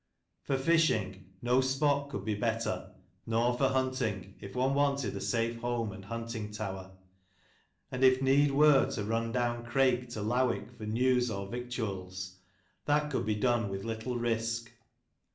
For fishing, no spot could be better, nor for hunting, if one wanted a safe home and hunting tower. And if need were to run down Crake to Lowick for news or victuals, that could be done with little risk.